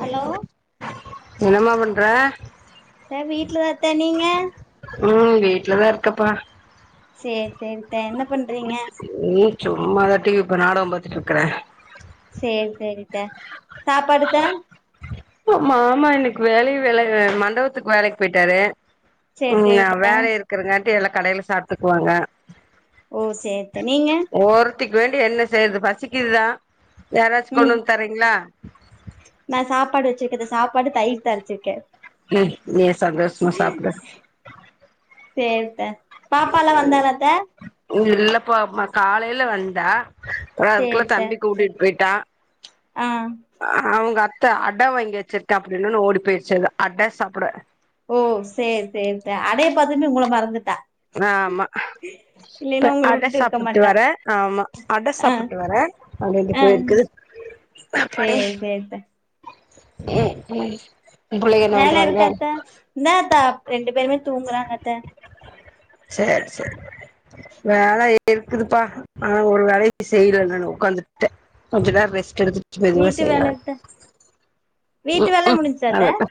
Hello என்னம்மா பண்ற ஏ வீட்டுல தத்தே நீங்க ம் வீட்ல தா இருக்கப்பா சேர் சேரித்தா என்ன பண்றீங்க நீ சும்மாதா டி வி ப நாடகொ பாத்துட்டு இருக்கறே சேரி சேரித்த சாப்பாடுத்த மாமா இன்னைக்கு வெளியு வேல வே மண்டவத்துக் வேலைக்கு போயிட்டாரு சேரி ம் சேரித்த வேல இருக்குறங்காட்டி இல்லா கடைல சாப்ட்டுக்குவாங்க ஓ சேரித்த நீங்க ஒரித்திக்கு வேண்டி என்ன செய்யறது பசிக்குதுதா யாராச்சு கொண்டு ம் வந்து தரீங்களா நா சாப்பாடு வச்சிருக்கே ந்த சாப்பாடு தயிர் தாளிச்சிருக்கே ம் நீயே சந்தோஷமா சாப்டு சேரித்த பாப்பால்லா வந்தாளத்த இல்லப்ப மா காலைல வந்தா அதுக்குள்ளே சேரித்த தம்பி கூட்டிட்டு போயிட்டா ஆ அவங்க அத்த அட வாங்கி வச்சிருக்கே அப்டின்னோன ஓடி போயிடுச்சு அது அட சாப்ட ஓ சேரி சேரித்த அடய பாத்தோனே உங்கள மறந்துட்டா ஆமா இப்ப இல்லைன்னா உங்கள அட விட்டுட்டு இருக்க சாப்புட்டு மாட்டா வரே ஆமா அட ஆ சாப்புட்டு வரே பன்னெண்டு ஆ போயிருக்கு அப்பாடி சேர்த்த ம் ம் உ புள்ளைக என்ன வேல பண்றாங்க இருக்கா அத்த இந்தாத்த ரெண்டு பேருமே தூங்குறாங்க அத்த சேர் சேர் வேல இருக்குதுப்பா ஆனா ஒரு வேலயு செய்ல நானு உக்காந்துக்ட்டே கொஞ்ச நேரோ ரெஸ்ட் எடுத்துக்ட்டு மெதுவா வீட்டு வேல செய்லான் அத்த வீட்டு ம் வேல ம் முடிஞ்ச்சா அத்த அத தா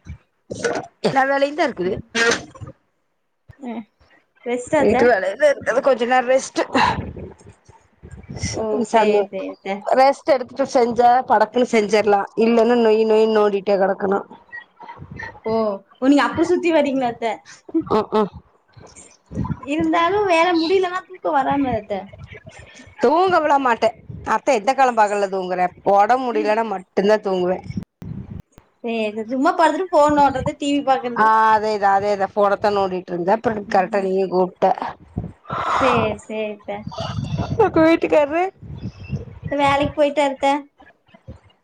எல்லா வேலையுந் தா இருக்குது அ ரெஸ்ட்டா அத்த வீட்டு வேலையில்லா இருக்குது கொஞ்ச நேரோ ரெஸ்ட்டு ச ஓ இது சன்னோ சேரி சேரி அத்த ரெஸ் ட் எடுத்துட்டு செஞ்சா படக்குன்னு செஞ்சிர்லா இல்லன்னா நொய்யி நொய்யினு நோன்டிட்டே கெடக்கணு ஓ நீங்க அப்புடி சுத்தி வரீங்ளாத்த ம் ம் இருந்தாலு வேல முடியலன்னா தூக்கோ வராமலத்த தூங்க வெல்ல மாட்டே அத்த எந்த காலம் பகல்ல தூங்குறே ஒடம் முடியலைன்னா மட்டுந் தா தூங்குவே சேரி சும்மா படுத்துட்டு ஃபோன் நோன்றது டி வி பாக்குறது அதே தா அதே தா ஃபோனத்தா நோன்டிட்ருந்தே அப்ற கரெட்டா நீயு கூப்ட்ட சேர் சேரித்த உங்க வீட்டுகார்ரு வேலக்கி போயிட்டாருத்த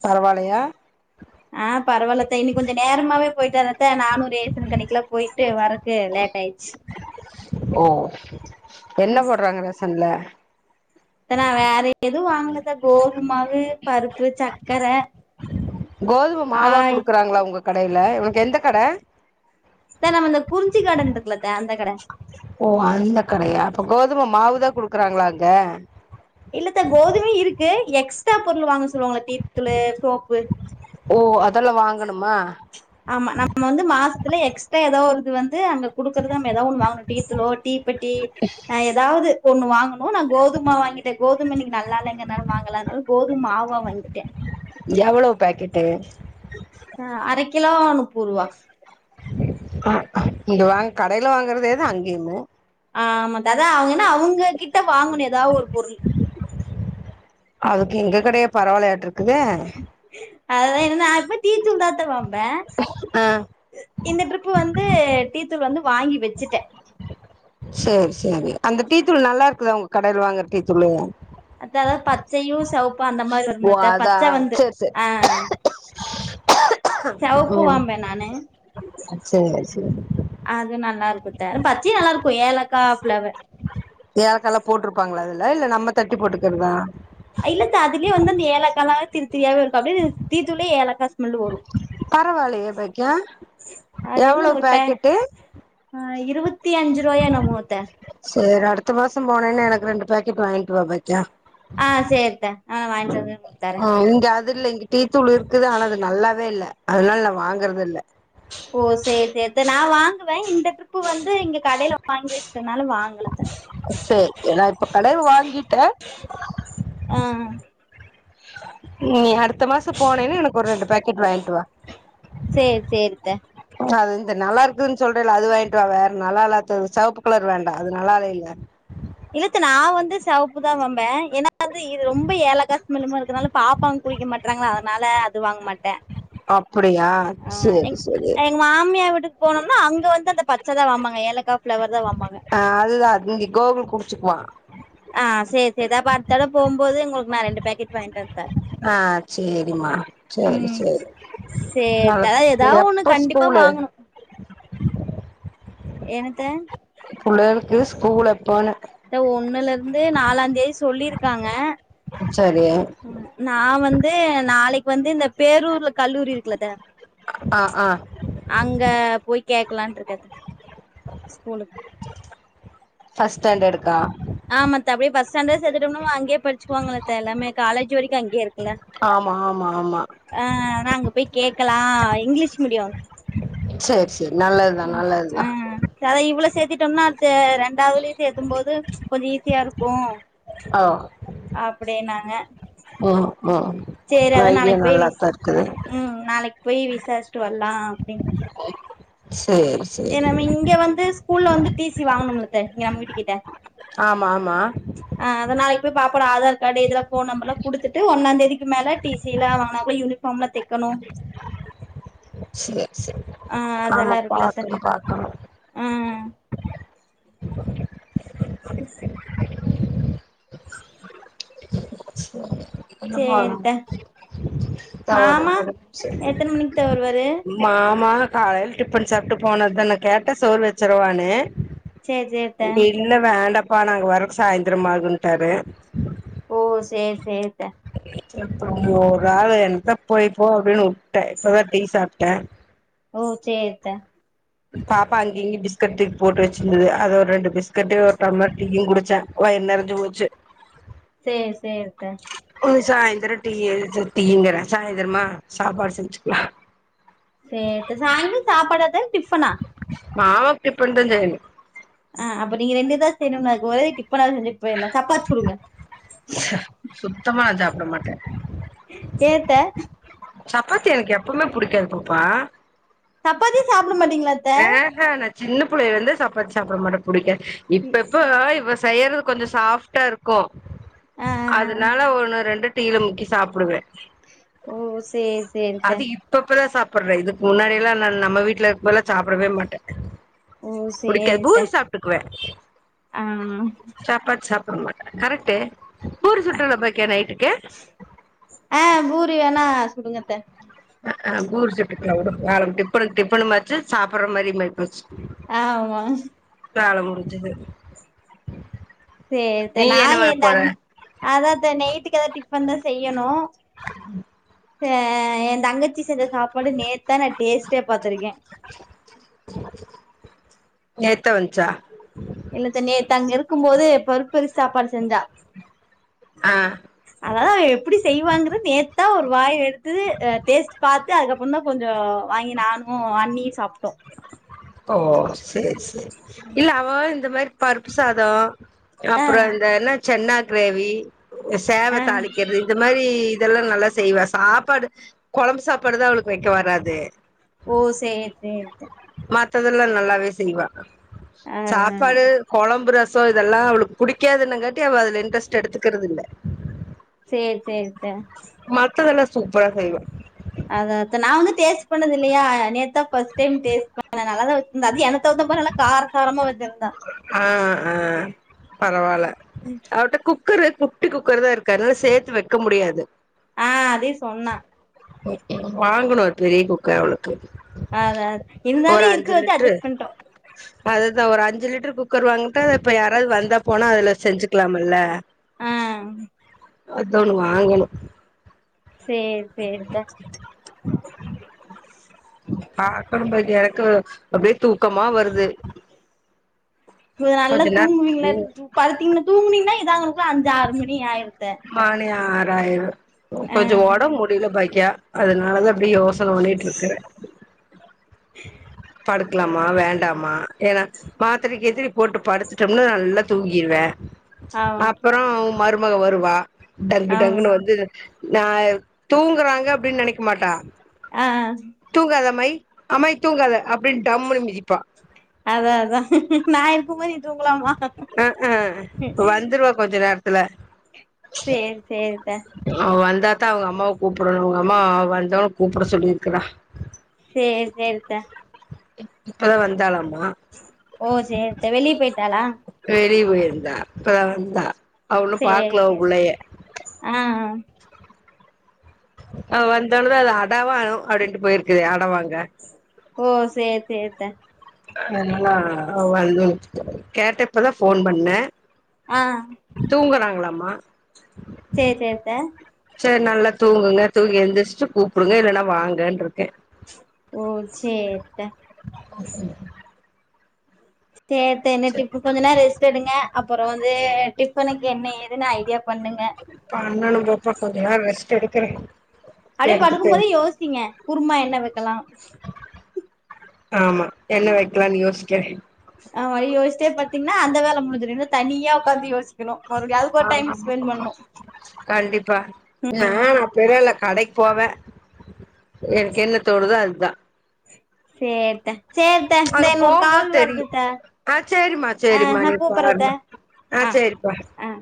பரவால்லையா ஆ பரவால்லத்த இன்னிக் கொஞ்ச நேரமாவே போயிட்டாரு அத்த நானு ரேசன் கடைக்கெலா போயிட்டு வர க்கு லேட்டாயிர்ச்சு ஓ என்ன போட்றாங்க ரேசன்ல அத்த நா வேற எது வாங்கலத்த கோதும் மாவு பருப்பு சக்கர கோதும மாவா ஆய் குடுக்குறாங்ளா உங்க கடைல உனக்கு எந்த கட த்த நம்ம இந்த குறிஞ்சி காடன்ட்ருக்குல த்த அந்த கட ஓ அந்த கடையா அப்ப கோதும மாவு தா குடுக்குறாங்ளா அங்க இல்ல அத்த கோதுமையி இருக்கு எக்ஸ்ட்ரா பொருள் வாங்க சொல்லுவாங்கல்ல டீ தூளு சோப்பு ஓ அதெல்லா வாங்கனுமா ஆமா நம்ம வந்து மாசத்துல எக்ஸ்ட்ரா எதாவ்து இது வந்து அங்க குடுறத நம்ம எதா ஒன்னு வாங்கணு டீத்துளோ தீ ப் பெட்டி ஆ எதாவ்து ஒண்ணு வாங்கணு நா கோதும் மாவு வாங்கிட்டே கோதும இன்னிக்கு நல்லா இல்லகறனால வாங்கலா அதனால கோதும மாவா வாங்கிட்டே எவ்ளவ் பேக்கெட்டு ஆ அரை கிலோ நுப்புர்வா இது வாங் கடைல வாங்கறதே தா அங்கைய்மு ஆ ஆமா த்த அதா அவுங்கென்னா அவுங்க கிட்ட வாங்கணு எதாவ் ஒரு பொருள் அதுக்கு எங்க கடையே பரவால்லயாட்டருக்குது அதா என்ன நா எப்பய் டீத்தூள் தாத்த வாம்பே ஆ இந்த ட்ரிப்பு வந்து டீத்தூள் வந்து வாங்கி வெச்சுட்டே செர் செரி அந்த டீ தூள் நல்லா இருக்குதா உங்க கடைல வாங்குற டீ தூளு அத்த அதாவ்து பச்சையு செவுப்பா அந்த மாரி ஓ வரும்லத்த அதா பச்ச வந்து சேரி சேரி ஆ செவப்பு ம் வாம்பே நானு சேர் சேரி அது நல்லா இருக்குத்தே பச்சியு நல்லா இருக்கு ஏலக்கா ஃப்ளேவர் ஏலக்கல்லா போட்ருப்பாங்களா அதுல இல்ல நம்ம தட்டி போட்டுக்குறதா அ இல்லத்த அதுலயே வந்து அந்த ஏலக்கால்லா திரித்திரியாவே இருக்கு அப்டியே தீ தூளே ஏலக்கா ஸ்மெல் வரு பரவாயில்லயே பாக்யொ அது எவ்ளோ எவ்ளோன்னு ஒரு பே பாக்கெட்டு ஆ இருவத்தி அஞ்சிருவாயோ என்னாமோ அத்த சேரி அடுத்த மாசம் போனேனா எனக்கு ரெண்டு பாக்கெட் வாய்ன்ட்டு வா பாக்யொ ஆ சேர் த்த ஆ வாய்ன்ட்டு வ ஆ இங்க அது இல்ல இங்க டீ தூள் இருக்குது ஆனா அது நல்லாவே இல்ல அதுனால நா வாங்குறதில்ல ஓ சேரி சேர் த்த நா வாங்குவ இந்த ட்ரிப்பு வந்து இங்க கடைல வாங்கி வெச்சிட்டதால வாங்கலத்த சேரி நா இப்ப கடையில வாங்கிட்டே ஆ நீ அடுத்த மாசொ போனேன்னா எனக்கு ஒரு ரெண்டு பாக்கெட் வாய்ன்ட்டு வா சேரி சேரித்த அது இந்த நல்லா இருக்குதுன் சொல்றேல்ல அது வாய்ன்ட்டு வா வேற நல்லா இல்லாது செவப்பு கலர் வேண்டா அது நல்லாவே இல்ல இல்லத்த நா வந்து செவப்புதா வம்பே ஏன்னா வந்து இது ரொம்ப ஏலக்கா ஸ்மல் மார் இருக்கனால பாப்பாங்க குடிக்க மாட்றாங்ளா அதனால அது வாங்க மாட்ட அப்டியா சேரி செரி எங்க மாமியா வீட்டுக்கு போனோம்னா அங்க வந்து அந்த பச்ச தா வாமாங்க ஏலக்கா ஃபிளவர் தா வாம்பாங்க ஆ அதுதா இங்க கோகுல் குடிச்சுக்வா ஆ சே சேர்த்த அப்ப அடுத்தட போம்போது உங்களுக்கு நா ரெண்டு பாக்கெ வாய்ன்ட்டு வந்து தா ஆ சேரிம்மா சேரி ம் சேரி சேர்த்த அதா ஏதா நாளைக்கு ஒன்னு எப்ப கண்டிப்பா ஸ்கூலு வாங்கணு ஏனத்த புள்ளைகளுக்கு ஸ்கூல் எப்போனு த்த ஒண்ணுலர்ந்து நாலாந் தேதி சொல்லிருக்காங்க சரி நா வந்து நாளைக் வந்து இந்த பேரூர்ல கல்லூரி இருக்குலத்த ஆ ஆ அங்க போய் கேக்லான் இருக்கத்த ஸ்கூலுக் ஃபஸ்ட் ஸாடாண்டட்க்கா ஆமாத்த அப்டியே ஃபஸ்ட் ஸ்டாண்ட் சேத்துட்டோம்னா அங்கயே படிச்சிக்குவாங்களத்த எல்லாமே காலேஜ் வரைக்கு அங்கயே இருக் ஆமா ஆமா ஆமா ஆ நா அங்க போயி கேக்கலா இங்கிலீஷ் மீடியொ சேர் சேர் நல்லதுதா நல்லதுதா சரி அதா இவள சேத்திட்டோம்னா அட்த்து ரெண்டாவ்துலயு சேத்தம்போது கொஞ்சொ ஈஸியா இருக்கு ஓ அப்டீன்னாங்க ஓ ஓ ட்ரைகே நாளைக்கு போய் விஸ் நல்லாத்தா இருக்குது ம் நாளைக் போய் விசார்ச்ட்டு வர்லா அப்டின் சே ஏ நம்ம இங்க வந்து ஸ்கூல்ல வந்து டி சி வாங்கணும்லத்த இங்க நம்ம வீட்டுக் கிட்ட ஆமா ஆமா அ அதா நாளைக் போய் பாப்போட ஆதார் காடு இதலா ஃபோன் நம்பர்லா குடுத்துட்டு ஒன்னாந் தேதிக்கு மேல டி சி லா வாங்னா யூனி ஃபாம்லா தெக்கனு சே சே ஆ ஆமா அதெல்லா இருக்குலத்த பாக்கனு பாக்கனு ஆ [unintelligible] [inaudible] [unintelligible] சேரித்த மாமா எத்தன மணிக்குத்த வருவாரு மாமா காலைல டிஃபன் சாப்ட்டு போனதுதா கேட்ட சோறு வச்சருவானு செரி செரித்த இல்ல வேண்டப்பா நாங்க வர சாய்ந்திர ஆகூன்ட்டாரு ஓ சேர் சேரித்த அப்பறொ ஒரு ஆளு என்னத போய்ப்போ அப்டின்னு உட்டே இப்பதா டீ சாப்ட்ட ஓ செரித்த பாப்பா அங்க இங்கய பிஸ்கட் தூக்கி போட்டு வச்சிருந்தது அது ஒரு ரெண்டு பிஸ்கட்டு ஒரு டம்ளர் டீயு குடிச்ச வயிறு நெறஞ்சி போச்சு செரி செரித்த ஒரு சாயந்தர டீ எதாச்சுங்கறே சாயந்திரமா சாப்பாடு செஞ்சுக்லா சேரித்த சாய்ங்ல சாப்பாடாத்த டிஃபனா மாமாக்கு டிபன் தா செய்யினு ஆ அப்போ நீங்க ரெண்டு இதா செய்ணு அதுக்கு ஒரே டிப்பனா செஞ்சி போய்ட. லா சப்பாத்தி சுடுங்க சுத்தமா நா சாப்டமாட்ட சேரித்த சப்பாத்தி எனக்கு எப்பமே புடிக்காது பாப்பா சப்பாத்தி சாப்புட மாட்டீங்களா ஆ ஹ நா சின்ன புள்ளையை வந்து சப்பாத்தி சாப்புட மாட்டே பிடிக்காத இப்ப இப்ப இவ செய்யறது கொஞ்சோ சாஃப்டா இருக்கு ஆ ஆ அதனால ஒன்னு ரெண்டு டீழ முக்கி சாப்புடுவே ஓ சேரி சேரித்த அது இப்ப இப்பதா சாப்புறே இதுக்கு முன்னாடியெல்லா நா நம்ம வீட்டுல இருக்கப்பெல்லா சாப்புடவே மாட்டே ஓ புடிக்காது சேரித்த பூரி சாப்ட்டுக்குவே ஆ ம் சாப்பாத் சாப்புட மாட்ட கரெக்டே பூரி சுட்டல பாக்கிய நைட்டுக்கு ஆ பூரி வேணா சுடுங்கத்தே ஆ பூரி சுட்டுகல உடு கால டிப்பனுக்கு டிப்பனு மாச்சி சாப்புற மாரி மாி போச்சி ஆமா வேல முடிஞ்சுது சேரித்த நீ நா என்ன பண்ண போற என்ங் அதாத்தே நைட்டுக்கு ஏன டிஃபன் தா செய்யுணு உ [inaudible] ஹ ஏ தங்கச்சி செஞ்ச சாப்பாடு நேத்தா நா டேஸ்ட்டே பாத்திருக்கே நேத்தா வந்ச்சா இல்லத்த நேத்தங்க இருக்கு போது பருப்பரு சாப்பாடு செஞ்சா ஆ அதா எப்பிடி செய்வாங்குற நேத்தா ஒரு வாய் எடுத்து டேஸ்ட் பாத்து அதுக்கப்புற தா கொஞ்ச வாங்கி நானு அண்ணியு சாப்டோ ஓ சேரி சேரி இல்ல அவ இந்த மாரி பருப்பு சாதோ ஆ அப்புற இந்த என்ன சென்னா கிரேவி ஆ சேவ தாளிக்கிறது இந்த மாரி இதெல்லா நல்லா செய்வா சாப்பாடு குழம்பு சாப்பாடு தா அவளுக்கு வைக்க வராது ஓ சேரி சேரித்த மத்ததெல்லா நல்லாவே செய்வா அதா அதா சாப்பாடு குழம்பு ரச இதெல்லா அவளுக்கு புடிக்காதுன்னுங்காட்டி அவ அதுல இன்ட்ரெஸ்ட் எடுத்துக்குறது இல்ல சேர் சேரித்தே மத்ததெல்லா சூப்ரா செய்வே அதாத்தே நா வந்துடேஸ்ட் பண்ணது இல்லையா நேத்தா பஸ் டைம் டேஸ்ட் பண்ண நல்லாத வச் ந்த அது ‌எனக்கு தகுந்த மாரி நல்லா காரசாரமா வச்சிருந்தா ஆ அ பரவால அவட்ட குக் கரு குட்டி குக்கர்தா இருக்கு அதனால சேத்து வைக்க முடியாது ஆ அதியு சொன்னா ஓகே வாங்ணு பெரிய குக்கர் அவளுக்கு ஆ அதா ஒரு இருந்தாலு அஞ்சு இருக்கறத வச்சி லிட்ரு அஜஸ் பண்டோ அதுதா ஒரு அஞ்சி லிட்டர் குக்கர் வாங்கிட்ட இப்ப யாராவ்து வந்தா போனா அதுல செஞ்சுக்கலாம்ல அ அது ஒண்ணு வாங்கணு சேர் சேரித்தே உ [inaudible] ஆக்கனு பரக்கு எனக்கு அப்டியே தூக்கமா வருது நல்லா கொஞ்ச நேர தூங்குவீங்ளா ம் படுத்திங்ன்னா தூங்குனிங்னா இதா அளவுக்குலா அஞ்சு ஆறு மணி ஆயிருத்தே மணி ஆறாயிரு கொஞ்சோ ஒடம்பு முடில பாக்கியா அதனாலதா அப்டியே யோசன ஓடிட்ருக்கு படுக்லாமா வேண்டாமா ஏனா மாத்ர கீத்ர போட்டு படுத்துட்டோம்னா நல்லா தூக்கிருவே ஆமா அப்றோ மருமக வருவா டங்கு ஆமா டங்குன்னு வந்து நா தூங்குறாங்க அப்டின் நெனைக்க மாட்டா ஆ தூங்காத அம்மாய் அம்மாய்யி தூங்காத அப்டின் டம்முன்னு மிதிப்பா அதா அதா நா இருக்கு போதே வந்ருவா கொஞ்ச நேரத்துல சேர் சேரித்த அவ வந்தாத்தா அவுங்க அம்மாவ கூப்புட்ணு அவுங்க அம்மா வந்தா கூப்ட சொல்லிருக்றா சேர் சேரித்த இப்பதா வந்தாலாமா ஓ சேரித்தே வெளிய பெய்ட்டாளா வெளிய பொய்ருந்தா இப்பதா வந்தா அவ ஒன்னு பாக்கல அவ சேரித்தே புள்ளைய ஆ அவ வந்த ஒட்னே தா அது அ [unintelligible] அப்டின்ட்டு பொயிருக்குது அட வாங்க ஓ சேர் சேரித்தே கேட்டப்பதா ஃபோன் பண்ணே அ தூங்றாங்களாமா சேர் சேரித்தே சேரி நல்லா தூங்குங்க தூங்கி எந்திரிச்சிட்டு கூப்டுங்க இல்லன்னா வாங்கன்ருக்கே ஓ சேரித்தே சேரித்தே என்ன டிப் கொஞ்ச நேரோ ரெஸ்ட் எடுங்க அப்றோ வந்து டிஃபனுக்கு என்ன ஏதுன்னு ஐடியா பண்ணுங்க பண்ணனு போப்ப கொஞ்ச நேரரோ ரெஸ்ட் எடுக்குறே அப்டியே படுக்கு எடுத்துட்டு போதே யோசிங்க குருமா என்ன வெக்கலா ஆமா என்ன வெக்கலான் யோசிக்கிறே ஆமா யோஸ்ட்டே பாத்தீங்கன்னா அந்த வேல முடுஞ்சுரு இல்லன்னா தனியா உக்காந்து யோசி கனு மறுபடியு அதுக்கு ஒரு டைம் ஆஹா ஸ்பெண் பண்ணு கண்டிப்பா நா அப்டில்லா இல்ல கடைக் போவே எனக்கு என்ன தோணுதா அது தா சேர்த்தா சேர் அங்க போகும்போது தெரியு ஆ சேரிமா ஆ சேரிமா நா நீ கூப்பறத்த பாருமா ஆ சேரிப்பா ஆ